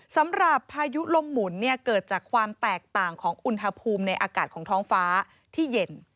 พายุลมหมุนเนี่ยเกิดจากความแตกต่างของอุณหภูมิในอากาศของท้องฟ้าที่เย็น